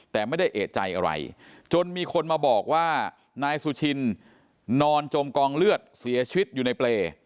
แต่ไม่ได้เอกใจอะไรจนมีคนมาบอกว่านายสุชินนอนจมกองเลือดเสียชีวิตอยู่ในเปรย์